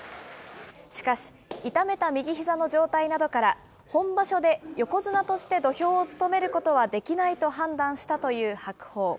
しかし、痛めた右ひざの状態などから、本場所で横綱として土俵を務めることはできないと判断したという白鵬。